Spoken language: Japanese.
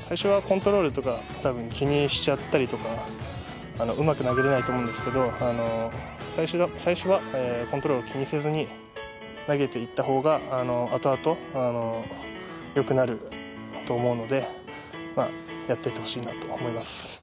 最初はコントロールとかたぶん気にしちゃったりとかうまく投げれないと思うんですけど最初はコントロール気にせずに投げていった方が後々良くなると思うのでやっていってほしいなと思います。